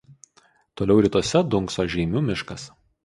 Toliau rytuose dunkso Žeimių miškas.